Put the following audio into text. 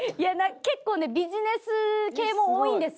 結構ねビジネス系も多いんですけど。